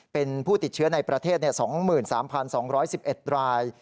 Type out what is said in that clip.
เป็นผู้ติดเชื้อในประเทศ๒๓๒๑๑ราย